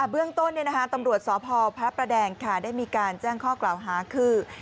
เบื้องต้นตำรวจสพพระประแดงได้มีการแจ้งข้อกล่าวหาคือ